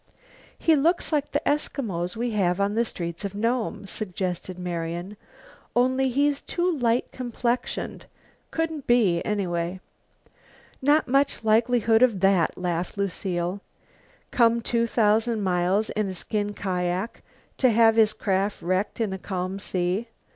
"He looks like the Eskimos we have on the streets of Nome," suggested Marian, "only he's too light complexioned. Couldn't be, anyway." "Not much likelihood of that," laughed Lucile. "Come two thousand miles in a skin kiak to have his craft wrecked in a calm sea.